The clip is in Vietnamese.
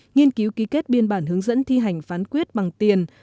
nghiên cứu ký kết biên bản hướng dẫn thi hành phán quyết bằng tiền